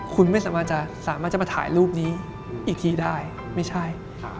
คุณไม่สามารถจะสามารถจะมาถ่ายรูปนี้อีกทีได้ไม่ใช่